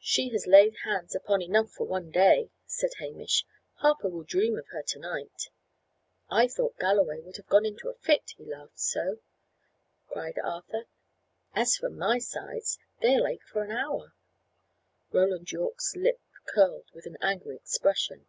"She has laid hands upon enough for one day," said Hamish. "Harper will dream of her to night." "I thought Galloway would have gone into a fit, he laughed so," cried Arthur. "As for my sides, they'll ache for an hour." Roland Yorke's lip curled with an angry expression.